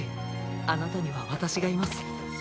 あなたには私がいます。